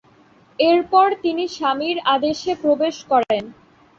এরপর তিনি স্বামীর আদেশে প্রবেশ করেন।